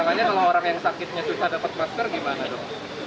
tantangannya kalau orang yang sakitnya susah dapat masker gimana dok